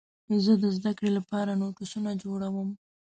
زه د زدهکړې لپاره نوټسونه جوړوم.